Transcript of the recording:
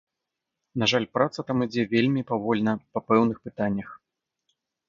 На жаль, праца там ідзе вельмі павольна па пэўных пытаннях.